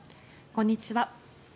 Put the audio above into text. こんにちは。